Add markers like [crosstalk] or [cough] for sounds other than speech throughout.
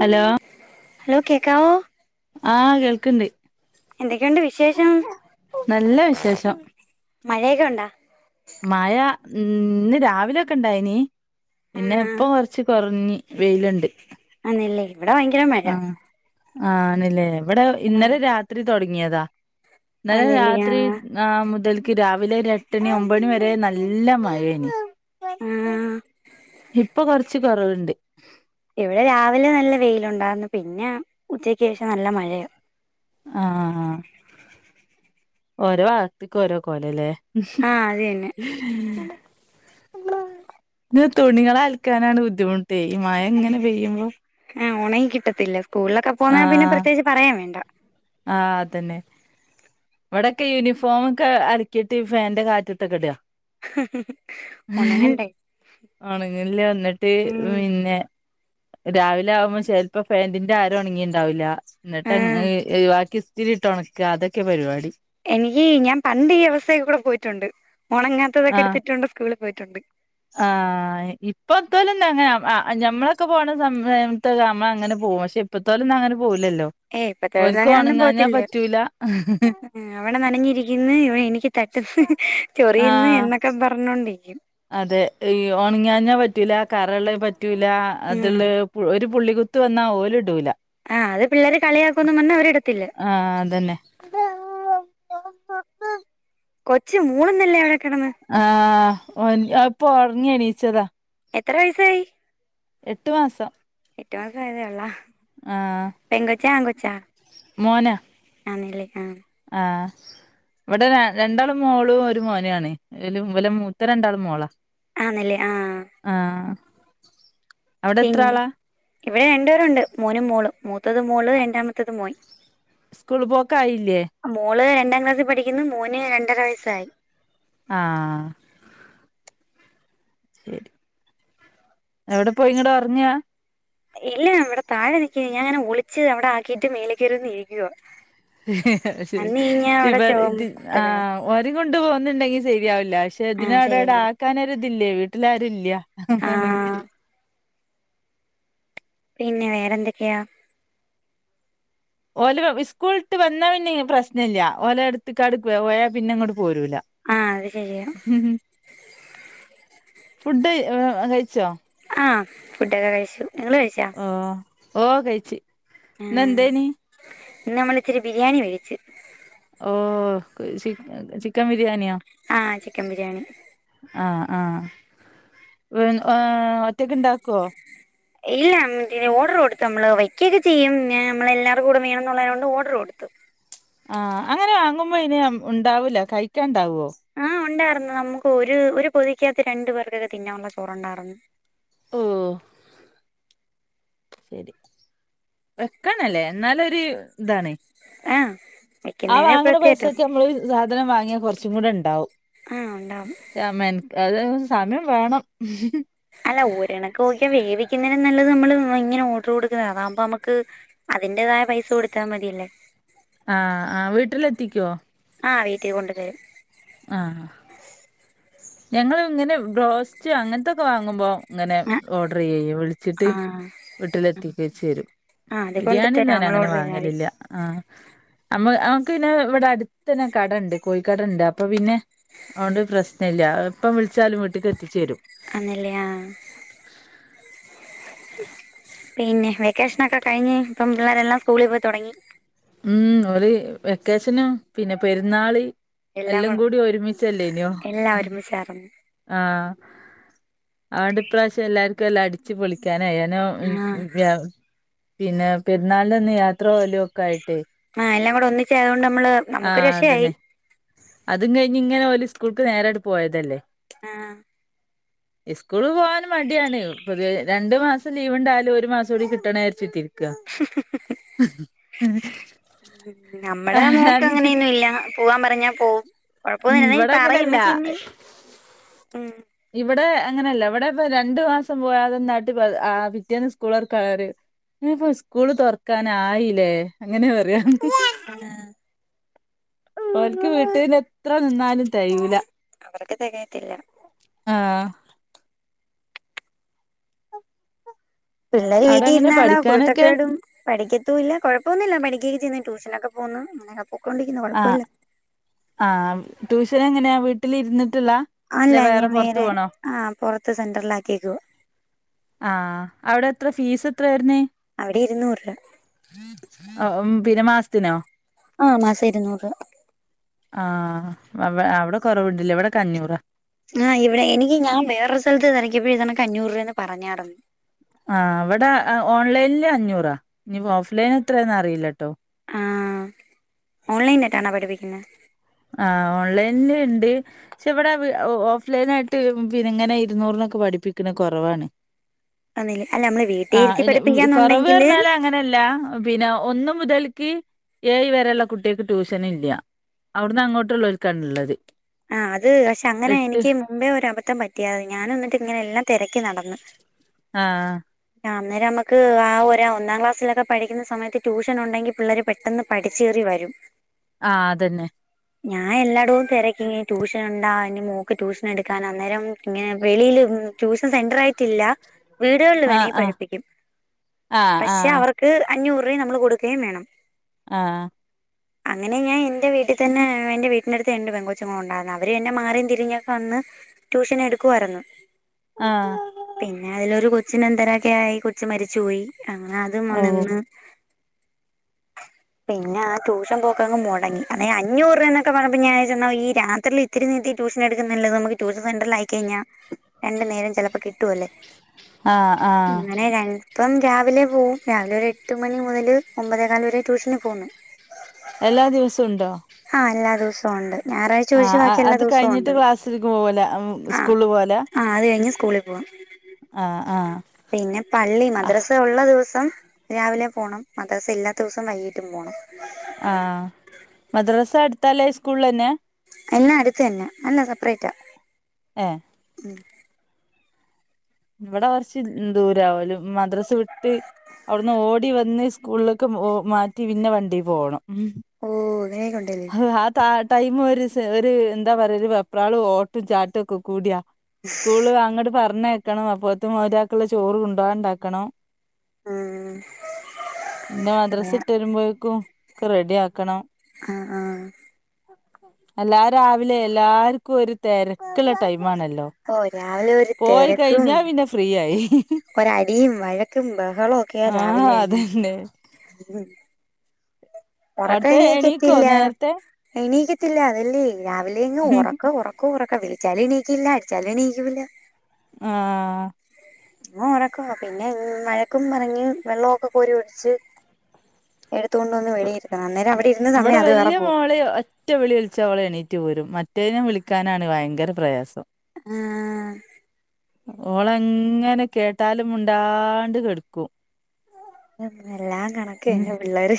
Hello hello കേക്കാവോ ആഹ് കേൾക്ക്ണ്ട് എന്തൊക്കെയുണ്ട് വിശേഷം നല്ല വിശേഷം മഴയൊക്കെ ഒണ്ടാ മഴ ഇന്ന് രാവിലൊക്കെ ഇണ്ടായിനി ആ പിന്നെ ഇപ്പൊ കൊറച്ച് കൊറഞ്ഞ് വെയിലൊണ്ട് ആണല്ലേ ഇവിടെ ഭയങ്കര മ ആഹ് ആണല്ലേ ഇവിടെ ആ ഇന്നലെ രാത്രി തുടങ്ങിയതാ ഇന്നല ആന്നല്ലേ ആ രാത്രി ആഹ് മുതൽക്ക് രാവിലെര് എട്ടണി ഒമ്പണി വരെ നല്ല മഴെനി ആ ഇപ്പൊ കൊറച്ച് കൊറവിണ്ട് ഇവിടെ രാവിലെ നല്ല വെയിലുണ്ടാന്നു പിന്നെ ഉച്ചക്കേഷം നല്ല മഴയ ആഹ് ഓരോ അഗത്തിക്ക് ഓരോ കോലോല്ലേ ആഹ് അത് തന്നെ തുണികൾ അൽക്കാനാണ് ബുദ്ധിമുട്ട് ഈ മഴ ഇങ്ങനെ പെയ്യുമ്പൊ ആഹ് ഒണങ്ങി കിട്ടത്തില്ല സ്കൂളിലൊക്കെ പോന്നാൽ പിന്നെ ആഹ് പ്രത്യേകിച്ച് പറയാ വേണ്ട ആഹ് അതന്നെ ഇവടൊക്കെ യൂനിഫോം ഒക്കെ അലക്കീട്ട് ഈ ഫാന്റെ കാറ്റതൊക്ക ഇട ഉണങ്ങണ്ടേ ഒണങ്ങ്ല്ല ന്ന്ട്ട് ഉം പിന്നെ രാവിലെ ആവുമ്പൊ ചെല്‌പ്പം ഫാന്റിന്റെ അര ഒണങ്ങീണ്ടാവില്ല ആ ന്ന്ട്ട് വാക്കി ഇസ്തിരിട്ട് ഒണക്ക അതൊക്കെ പരിവാടി എനിക്ക് ഞാ പണ്ട് ഈ അവസ്ഥെകൂടെ പോയിറ്റുണ്ട് ഒണങ്ങാത്തതൊക്കെ ഇടുത്തിട്ടോണ്ട് സ്കൂളി പോയിറ്റുണ്ട് ആഹ് ഇപ്പത്തോലെന്നെ അങ്ങന ഞമ്മളൊക്കെ പോണ സമയത്ത് നമ്മള അങ്ങന പോവും പഷേ ഇപ്പത്തോലുന്നും അങ്ങനെ പോവുലല്ലോ ഏയ് ഇപ്പത്തെ ഓല്ക്ക് ഒണങ്ങാഞ്ഞാ പറ്റൂല ആഹ് അവടെ നനഞ്ഞിരിക്ക്ന്ന് ഇവ എനിക്ക് തട്ട്ന്ന് ആ ചൊറിയ്ന്ന് എന്ന ക്ക പറഞ്ഞോണ്ടിക്കും അതെ ഈ ഒണിങ്യാഞ്ഞ പറ്റൂല്ല കറള്ളത് പറ്റൂല ഉം അത്ള്ള ഒര് പുള്ളികുത്ത് വന്നാ ഓല് ഇടൂല ആഹ് അത് പിള്ളേര് കളിയാക്കുന്ന് പറഞ്ഞ് അവരിടത്തില്ല ആഹ് അതന്നെ കൊച്ച് മൂള്ന്നല്ലേ അവടെ കെടന്ന് ആഹ് ഓൻ ഇപ്പൊ ഒറങ്ങി എണീച്ചതാ എത്ര വെയസ്സായി എട്ട് മാസം എട്ട് മാസ ആയതെ ഒള്ള ആഹ് പെങ്കൊച്ച ആങ്കൊച്ച മോനാ ആൺല്ലെ ആഹ് ആഹ് ഇവടെ ര രണ്ടാൾ മോളും ഒരു മോനാണ് ഇവല മൂത്ത രണ്ടാളും മോളാ ആണല്ലേ ആഹ് ആഹ് അവിടെ എത്ര പിന്നെ ആളാ ഇവടെ രണ്ടേരുണ്ട് മോനും മോളും മൂത്തത് മോള് രണ്ടാമത്തത് മോൻ ക്കൂൾ പോക്കായില്ലേ മോള് രണ്ടാ ക്ലാസ്സി പഠിക്ക്ന്ന് മോന് രണ്ടര വയസ്സായി ആഹ് ശരി എവടെപ്പോയി ങ്ങട്ടൊറങ്ങാ ഇല്ല ഇവടെ താഴെ നിക്കിണി ഞാങ്ങനെ ഒളിച്ച് അവടെ ആക്കീട്ട് മേല കേറിവന്നിരിക്കുവ ശരി ഇവട ചോ ഇത് കുത്തക ആഹ് ഓരിം കൊണ്ട് പോന്ന്ണ്ടെങ്കി ശരിയാവില്ല പക്ഷെ ആഹ് ഇതിനവടവടെ ശരിയല്ലേ ആക്കാനൊരു ഇതില്ലേ വീട്ട്ലാരു ഇല്ല അതാണയ് ആഹ് പിന്നെ വേറെന്തൊക്കയാ ഓല് ഇസ്കൂള്ട്ട് വന്നാ പിന്നെ പ്രശ്നല്ല്യ ഓല എടുത്ത്കാട് പോയാപിന്നങ്ങട്ട് പോരൂല്ല ആഹ് അത് ശരിയാ ഫുഡ് കഴിച്ചോ ആഹ് ഫുഡൊക്ക കഴി ഓ ഓ കഴിച്ച് ആഹ് ഇന്നെന്തേനി ഇന്ന് നമ്മള്ച്ചിരി ബിരിയാണി മേടിച്ച് ഓ ചി ചിക്കൻ ബിരിയാണ്യേ ആഹ് ചിക്കം ബിരിയാണി ആഹ് ആഹ് ഒറ്റക്ക് ഇണ്ടാക്കോ ഇല്ല മറ്റേ ഓഡർ കൊടുത്തു നമ്മള് വെകൊക്കെ ചെയ്യും ഞ നമ്മളെല്ലാരും കൂടെ വേണന്നുള്ളയോണ്ട് ഓഡർ കൊടുത്തു ആഹ് അങ്ങനെ വാങ്ങുമ്പോ അയ്ന് ഉണ്ടാവൂല കഴിക്കാണ്ടാവോ ആഹ് ഒണ്ടാർന്നു നമുക്ക് ഒര് ഒര് പൊതിക്കാത്ത് രണ്ട് പേർക്കൊക്കെ തിന്നാവുള്ള ചോറൊണ്ടാർന്നു ഓ ശരി വെക്കണല്ലേ എന്നാലൊര് താണ് ആഹ് ആ വെക്കുന്നതിന് വാങ്ങ്ണ പ്രത്യേക പൈസക്ക് ടേസ്റ്റ് നമ്മള് സാധനം വാങ്ങിയാ കൊറച്ചും കൂടെണ്ടാവും. ആഹ് ഉണ്ടാവും. ആഹ് മെൻക്ക അതെ സമയം വേണം. അല്ല ഒരണക്ക് നോക്കിയാ വേവിക്കുന്നതിനും നല്ലത് നമ്മള് ഇങ്ങനെ ഓർഡർ കൊടുക്കുന്നതാ അതാകുമ്പോ നമുക്ക്. അതിന്റേതായ പൈസ കൊടുത്താൽ മതിയല്ലേ? ആഹ് ആഹ് വീട്ടിലെത്തിക്കോ? ആഹ് വീട്ടിൽ കൊണ്ട് തരും. ആഹ് ഞങ്ങള് ഇങ്ങനെ ബ്രോസ്റ്റ് അങ്ങനത്തൊക്കെ വാങ്ങുമ്പോ ഇങ്ങനെ ഓർഡർ ചെയ്യയും വിളിച്ചിട്ട് ആഹ് വീട്ടിലെത്തിക്കച്ചേരും. ആഹ് അത് കൊണ്ട് ബിരിയാണിന്നും തരാം ഞാൻ നമ്മൾ അങ്ങനെ ഓർഡർ ചെയ്താൽ മതി വാങ്ങലില്ല. ആഹ് നമ്മ നമുക്ക് പിന്നെ ഇവിടെ അടുത്തന്നെ കടണ്ട്. കോഴിക്കടണ്ട് അ അപ്പൊ പിന്നെ അഓണ്ട് പ്രശ്നല്ല എപ്പം വിളിച്ചാലും വീട്ടിക്ക് എത്തിച്ചേരും. ആണല്ലേ ആഹ് പിന്നെ വെക്കേഷനൊക്കെ കഴിഞ്ഞ് ഇപ്പം പിള്ളേരെല്ലാം സ്കൂളിൽ പോയി തൊടങ്ങി. ഉം ഓര് വെക്കേഷനും പിന്നെ പെരുന്നാള്. എല്ലാം കൂടി ഒരുമിച്ചല്ലേനോ. എല്ലാം ഒരുമിച്ചായിരുന്നു ആഹ് അഓണ്ട് ഇപ്രാവശ്യം എല്ലാർക്കും എല്ലാം അടി ച്ച് പൊളിക്കാനായിനോ ഉം ആഹ് പിന്നെ പെരുന്നാളിലന്ന് യാത്ര പോവലും. ആയിട്ടേ ആഹ് എല്ലാം കൂടെ ഒന്നിച്ചായതുകൊണ്ട് നമ്മള് നമുക്ക് ഒര് ആഹ് രക്ഷയായി. അതന്നെ അതും കഴിഞ്ഞ് ഇങ്ങനെ ഓല് സ്കൂൾക്ക് നേരങ്ങട്ട് പോയതല്ലേ? ആഹ് [inaudible] ഇസ്കൂളില് പോവാനും മടിയാണ് പൊതുവേ രണ്ടു മാസം ലീവ് ഉണ്ടായാലും ഒരു മാസം കൂടി കിട്ടണേ വിചാരിച്ചിരിക്കെന്ന്. ക്ക ഉം നമ്മടെ മോക്ക് അങ്ങനെയൊന്നുല്ല പോവാൻ പറഞ്ഞാൽ പോവും. ഉം കൊഴപ്പൊന്നില്ല ഇവിടെ പറയും അങ്ങനെയല്ല മ്മച്ചീ ഇന്ന് ഉം ഇവിടെ അങ്ങനെയല്ല ഇവിടെ ഇപ്പ രണ്ടു മാസം പോയാതെ നായിട്ട് ആഹ് പിറ്റേന്ന് സ്കൂളൊറക്കാണ് പറയും ഇനിപ്പൊ സ്കൂള് തൊറക്കാനായില്ലേ അങ്ങനെ പറയാ. ആഹ് ഓൽക്ക് വീട്ടീന്നെത്ര നിന്നാലും തഴൂല. അവർക്ക് തെകയത്തില്ല. ആഹ് പിള്ളേര് അവിടെ വീട്ടി എങ്ങനെ ഇരുന്നാലോ പഠിക്കാനൊക്കെ കുരുത്തക്കേടും. പഠിക്കത്തൂല്ല കൊഴപ്പൊന്നുല്ല പഠിക്കൊക്കെച്ചെന്ന് ട്യൂഷനൊക്കെ പോകുന്നു അങ്ങനൊക്കെ പൊക്കോണ്ടിരിക്കുന്നു ആഹ് കൊഴപ്പോല്ല. ആഹ് ട്യൂഷനെങ്ങനെയാ വീട്ടിലിരുന്നിട്ടുള്ളാ. അല്ല ഞാൻ വേറെ ആഹ് പൊറത്ത് സെന്ററിൽ ആക്കിയേക്കുവ. ആഹ് അവിടെത്ര ഫീസ് എത്ര വരുന്ന്. അവിടെ ഇരുന്നൂറ്. ഓഹ് പിന്നെ മാസത്തിനോ. ആഹ് മാസം ഇരുന്നൂറ് രുപ ആഹ് അവെ അവിടെ കൊറവ്ണ്ട്ല്ലേ ഇവിടെക്കെ അഞ്ഞൂറ. ആഹ് ഇവിടെ എനിക്ക് ഞാൻ വേറെ സ്ഥലത്ത് തിരക്കിയപ്പോൾ ഇതിനൊക്കെ അഞ്ഞൂറ് രൂപയന്ന് പറഞ്ഞയിരുന്നു. ആ അവിടെ ഓൺലൈനില് അഞ്ഞൂറാ ഇനിപ്പോ ഓഫ്ലൈൻ എത്രയാന്ന അറിയില്ലട്ടോ ആഹ് ഓൺലൈനിലിട്ടാണോ പഠിപ്പിക്കുന്നത്. ആഹ് ഓൺലൈനിലിണ്ട്. പക്ഷെ ഇവിടെ ഓഫ്ലൈൻ ആയിട്ട് പിന്നെ ഇങ്ങനെ ഇരുന്നൂറിനൊക്കെ പഠിപ്പിക്കണ കുറവാണ്. ഒന്നില് അല്ല നമ്മള് വീട്ടിൽ ആ ഇരുത്തി കൊറവ് പഠിപ്പിക്കാന്നുണ്ടെങ്കില് പറഞ്ഞാല് ങ്ങനെല്ല. പിന്നെ ഒന്ന് മുതൽക്ക് ഏഴ് വരെയുള്ള കുട്ടിക്ക് ട്യൂഷൻ ഇല്യ. അവിടന്ന് അങ്ങോട്ടുള്ളർക്കാനുള്ളത്. ആ അത് പക്ഷെ അങ്ങനെ എനിക്ക് മുമ്പേ ഒരബദ്ധം പറ്റിയാത് ഞാനൊന്നിട്ട് ഇങ്ങനെ എല്ലാം തിരക്കി നടന്ന് ആഹ് ആഹ് അന്നേരം നമുക്ക് ആഹ് ഒ ഒന്നാംക്ലാസ്സിലൊക്കെ പഠിക്കുന്ന സമയത്ത് ട്യൂഷൻ ഉണ്ടെങ്കിൽ പിള്ളേര് പെട്ടെന്ന് പഠിച്ചേറി വരും ആഹ് അതന്നെ ഞാൻ എല്ലാടും തിരക്കി ട്യൂഷൻ ഉണ്ടാ എൻ മോക്ക് ട്യൂഷൻ എടുക്കാൻ അന്നേരം ഇങ്ങനെ വെളിയിൽ ട്യൂഷൻ സെന്റർ ആയിട്ടില്ല വീടുകളിൽ ആഹ് വേണെ ആഹ് പഠിപ്പിക്കും ആഹ് പക്ഷെ ആഹ് അവർക്ക് അഞ്ഞൂറ് രൂപയും നമ്മൾ കൊടുക്കുകയും വേണം ആഹ് അങ്ങനെ ഞാൻ എന്റെ വീട്ടിൽ തന്നെ എന്റെ വീടിന്റെ അടുത്ത് എണ്ട് പെങ്കോച്ചുമോൾ ഉണ്ടായിരുന്നു അവർതെന്നെ മാറിയും തിരിഞ്ഞൊക്കെ വന്ന് ട്യൂഷൻ എടുക്കുവായിരുന്നു ആഹ് പിന്നെ അതിലൊരു കൊച്ചിനെ എന്തരൊക്കെയി കൊച്ചു മരിച്ചുപയി അങ്ങനെ അതും ഓ നിന്ന് പിന്നെ ട്യൂഷൻ പോക്കങ് മുടങ്ങി അതായ അഞ്ഞൂറ് എന്നൊക്കെ പറയുമ്പ ഞാൻന്ന ഈ രാത്രി ഒത്തിരി നീത്തി ട്യൂഷൻ എടുക്കുന്നുല്ലത് നമുക്ക് ട്യൂഷൻ സെന്ററിൽ ആയി കഴിഞ്ഞാ രണ്ട നേരം ചലപ്പോ കിട്ടുമല്ലേ ആഹ് [unintelligible] ആഹ് ഇപ്പം രാവിലെ പോവും രാവിലെ ഒരു എട്ട് മണി മുതല് ഒമ്പതേകാല് വരെ ട്യൂഷന് പോകുന്നു എല്ലാ ദിവസം ഉണ്ടോ ആഹ് എല്ലാ ദിവസവും ഉണ്ട് ഞായറാഴ്ച ആ ഒഴിച്ച് ബാക്കി എല്ലാ അത് ദിവസവും കഴിഞ്ഞിട്ട് ഉണ്ട് ക്ലാസ്സിലേക്ക് പോകല ആ സ്കൂളിൽ പോല ആ അത് കഴിഞ് സ്കൂളിൽ പോവും ആഹ് ആഹ് പിന്നെ പള്ളി മദ്രസ ഉള്ള ദിവസം രാവിലെ പോണം മദ്രസ ഇല്ലാത്ത ദിവസം വൈകിട്ടും പോണം ആഹ് മദ്രാസ അടുത്താല്ലേ സ്കൂളന്നെ എന്നാ അടുത്ത എന്ന അല്ലാ സെപ്പറേറ്റാ ഏ ഉം ഇവിടെ കുറച്ച് ദൂരഓൽ മദ്രസ് വിട്ട് അവിടുന്ന് ഓടി വന്ന് സ്കൂളിലേക്ക് പോ മാറ്റി പിന്നെ വണ്ടി പോകണം ഉം ഓ അങ്ങനെക്കണ്ടല്ലേ ആ ത ടൈമ ഒരു ഒരു എന്താ പറയാ ഒരു വെപ്രാളും ഓട്ടും ചാട്ടും ഒക്കെ കൂടിയാ സ്കൂള് അങ്ങോട്ട് പറഞ്ഞേക്കണം അപ്പത്തും മറ്റാക്കുള്ള ചോറ് കൊണ്ടുപോകണ്ടാക്കണം ഉം. പിന്നെ മദ്രസ് ഇട്ട് വരുമ്പോഴേക്കും ഒക്കെ റെഡി ആക്കണം ആഹ് ആഹ് എല്ലാ രാവിലെ എല്ലാർക്കും ഒരു തിരക്കുള്ള ടൈമാണല്ലോ ഓ രാവിലെ ഒരു തിരക്കും ഫ്രീയായി ഒര അടിയും വഴക്കും ബഹളവും ഒക്കെയ ആഹ് രാവിലെന്നെ അതന്നെ ഉറക്കം അവിടുത്തെ എണീക്കോ എണീക്കത്തില്ല നേരത്തെ എണീക്കത്തില്ല അതല്ലേ രാവിലെ ഇങ്ങ് ഉറക്ക ഉറക്ക ഉറക്ക വിളിച്ചാലും എണീക്കില്ല അടിച്ചാലും എണീകൂല ആഹ് മോൻഒറക്ക പിന്നെ മഴക്കും പറഞ്ഞ് വെള്ളഒക്കെ കോരി ഒഴിച്ച് എടുത്തുകൊണ്ട് വന്ന് വെളിയിരിത്തണം അന്നേരം അവിടെ ഇരുന്ന് ഇവിടെ സമയം അത് വേറെ പോവും [unintelligible] ഒറ്റ വിളിവിളിച്ച അവള എണീറ്റ്പോരും മറ്റേയിനും വിളിക്കാനാണ് ഭയങ്കരപ്രയാസം ആഹ് ഓള അങ്ങനെ കേട്ടാലും മുണ്ടാണ്ട്കെട്ക്കും എല്ലാം കണക്കന്നെപിള്ളേര്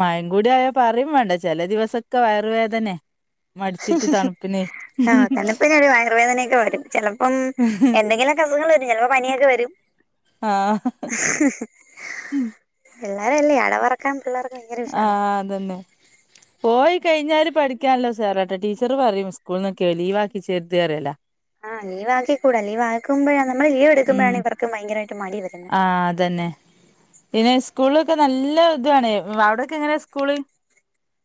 മഴേം കൂടിആയാ പറേം വേണ്ട ചെല ദിവസൊക്കെ വയറ് വേദനയാ ആഹ് കണ്ടപ്പോഞ്ഞിയൊരു വയർവേദനയൊക്കെ വരും ചെലപ്പം എന്തെങ്കിലൊ ക്ക് അസുഖങ്ങള് വെരും ചെലപ്പോ പനിയൊക്കെവരും ആഹ് പിള്ളേരല്ലേ അടവെറക്കാൻ പിള്ളേർ ആഹ് അതന്നെ പോയികഴിഞ്ഞാല് പഠിക്കാല്ലഉസാറാട്ടാ ടീച്ചറ്പറയും സ്കൂൾന്നൊക്കെ ലീവാക്കിചേരത്അറിയുല ആഹ് ലീവാക്കികൂട ലീവാക്കുമ്പയ നമ്മള് ഉം ലീവെടുക്കുമ്പോയാണ് ഇവർക്ക് ഭയങ്കരായിട്ട് മടി വരുന്നത് ആഹ് അതന്നെ പിന്നെ സ്കൂളൊക്കെ നല്ല ഇതുവാണ് അവടെയൊക്കെ എങ്ങനെ സ്കൂള്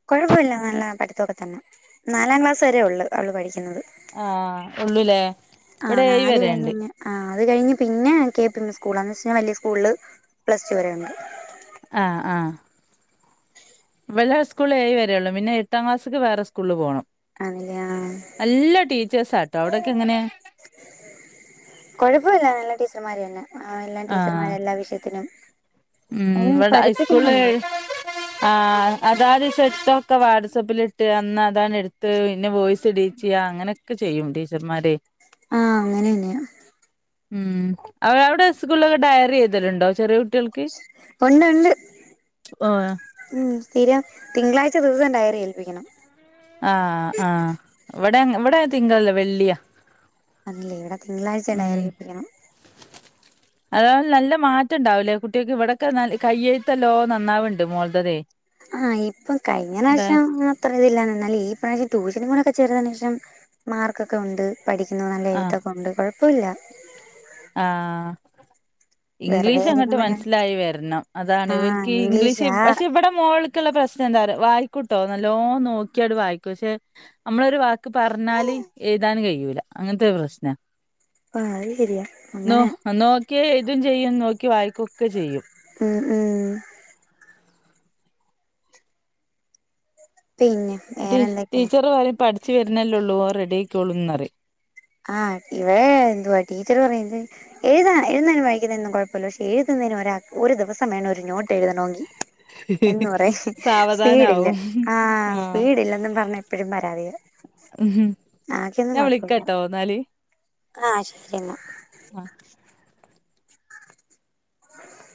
കുഴപ്പമില്ല നല്ലപഠിത്തൊക്കെ തന്നെ നാലാംക്ലാസ് വരേ ഒള്ളൂ അവള് പഠിക്കുന്നത് ആഹ് ഒള്ളുലേ ആഹ് ഇവടെ ഏഴ് നാല് കഴിഞ്ഞ് വരേണ്ട് പിന്നെ ആഹ് അത് കഴിഞ്ഞ് പിന്നെ കെ പി എം സ്കൂളാണ് പഷേ വല്ല്യ സ്കൂള് പ്ലസ് ടു വരെഉണ്ട് ആഹ് ആഹ് ഇവലെ സ്കൂള് ഏഴ് വരെയുള്ളൂ പിന്നെ എട്ടാംക്ലാസ്സിക്ക് വേറെസ്കൂളില് പോണം അങ്ങനെയാ നല്ലാ ടീച്ചേഴ്സാട്ടോ അവിടൊക്കെ എങ്ങനെയാ കൊഴപ്പവില്ല നല്ല ടീച്ചർമാരിയന്നെ എല്ലാ ആഹ് ടീച്ചർമാരും എല്ലാവിഷയത്തിനും ഉം ഇവിടെ ഹൈസ്കൂള് ആഹ് അതാത് സെറ്റൊക്കെ വാട്സാപ്പിലിട്ട് അന്ന് അതാണ്എടുത്ത് പിന്നെ വോയിസ്ഇടി ചെയ്യാ അങ്ങനെയൊക്കെ ചെയ്യും ടീച്ചർമാരെ ആഹ് അങ്ങനെന്നെയ ഉം അവടെ സ്കൂളിലൊക്കെ ഡയറിഎഴ്തലുണ്ടോ ചെറിയകുട്ടികൾക്ക് ഒണ്ട് ഒണ്ട് ഓഹ് ഉം സ്ഥിരം തിങ്കളാഴ്ച ദിവസം ഡയറി ഏൽപ്പിക്കണം ആഹ് ആഹ് ഇവടെഅങ്ങ് ഇവടെ തിങ്കളല്ല വെള്ളിയാ അതേല്ലേ ഇവടെ തിങ്കളാഴ്ചയാ ഡയറിഏൽപ്പിക്കണേ അതാവും നല്ല മാറ്റംണ്ടാവൂലേ കുട്ട്യേക്ക് ഇവിടൊക്കെ നകയ്യെഴ്ത്തല്ലോ നന്നാവുണ്ട് മോൾടെ ആഹ് ഇപ്പം കഴിഞ്ഞറാശം അത്ര ഇതില്ലാന്നാല് ഈ പ്രാവിശ്യം ട്യൂഷനുംകൂടെഒക്കെ ചേർന്നേന്റെഷം മാർക്കൊക്കെ ഉണ്ട് പഠിക്കുന്നു ആഹ് നല്ലഎഴുത്തൊക്കെ ഉണ്ട് കുഴപ്പയില്ല ആഹ് വെറുതെ ഇംഗ്ലീഷ് അങ്ങട്ട് ഇരിക്കുമ്പോഴാ മനസ്സിലായിവെരണം അതാണ് ആഹ് ഇവൽക്കി ഇംഗ്ലീഷ് ഇംഗ്ലീഷാ പക്ഷെ ഇവടെ മോൾക്ക്ള്ള പ്രശ്നം എന്താഅറിയോ വായിക്കൂട്ടോ നല്ലോനോക്കിയങ്ങട് വായിക്കും പക്ഷെ അമ്മളൊരു വാക്ക് പറഞ്ഞാല് എഴുതാന്കഴിയൂല അങ്ങനത്തെഒരു പ്രശ്നാ ആഹ് അത് ശെരിയാ നോ നോക്കിയാ എഴുതുംചെയ്യും നോക്കി വായിക്കൊക്കെചെയ്യും ഉം ഉം പിന്നെ ടി വേറെന്തൊക്കെയാ ടീച്ചറ് പറേം പഠിച്ചു വരുന്നല്ലേള്ളൂ ഓ റെഡി ആയിക്കൊള്ളൂന്നറയും ആഹ് ഇവിടെ എന്തുവാ ടീച്ചറ് പറയുന്നത് എഴുതാ എഴുന്നതിനും വായിക്കുന്നതിനൊന്നും കൊഴപ്പമില്ല പക്ഷെ എഴുതുന്നതിന് ഒരാക്ക്‌ ഒരു ദിവസം വേണം ഒരു നോട്ട് എഴുതണോങ്കി എന്ന് പറേ സ്പീഡില്ല സാവധാനാവും ആഹ് സ്പീഡില്ലെന്നും പറഞ്ഞ് എപ്പഴും പരാതിയ ഉം ഞാൻ വിളിക്കാട്ടോ എന്നാല് ആഹ് ശെരിന്നാ ആഹ്